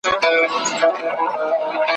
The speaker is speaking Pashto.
په واړه کور کي له ورور سره دښمن یو `